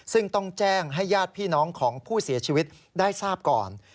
ซึ่งต้องแจ้งให้ญาติพี่น้องของผู้เสียชีวิตได้ทราบก่อน